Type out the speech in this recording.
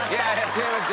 違います。